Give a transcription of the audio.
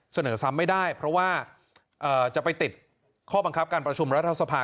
เสนอซ้ำไม่ได้เพราะว่าจะไปติดข้อบังคับการประชุมรัฐสภา